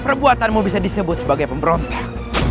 perbuatanmu bisa disebut sebagai pemberontak